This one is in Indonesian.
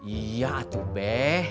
iya atu be